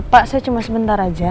pak saya cuma sebentar aja